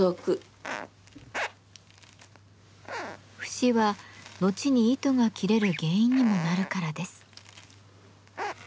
節は後に糸が切れる原因にもなるからです。